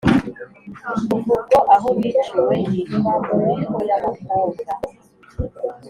kuva ubwo aho biciwe hitwa "mu miko y'abakobwa”.